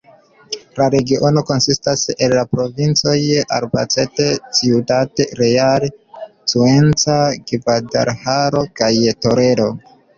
La regiono konsistas el la provincoj Albacete, Ciudad Real, Cuenca, Gvadalaĥaro kaj Toledo.